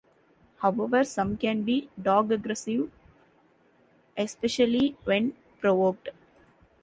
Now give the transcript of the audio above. However, some can be dog-aggressive, especially when provoked.